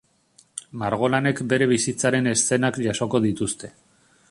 Margolanek bere bizitzaren eszenak jasoko dituzte.